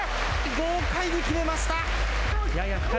豪快に決めました。